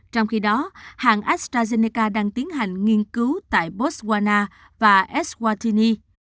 trong khi đó hãng astrazeneca đang tiến hành nghiên cứu tại botswana và swatini